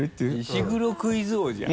石黒クイズ王じゃん。